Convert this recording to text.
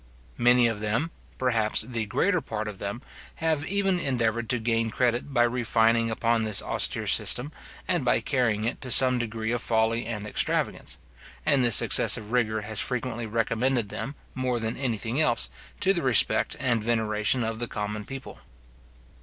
Many of them, perhaps the greater part of them, have even endeavoured to gain credit by refining upon this austere system, and by carrying it to some degree of folly and extravagance; and this excessive rigour has frequently recommended them, more than any thing else, to the respect and veneration of the common people.